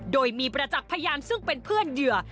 โดยมีประจักษ์พยานซึ่งเป็นเพื่อนเหยื่อ